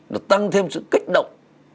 nó tăng thêm sự kích động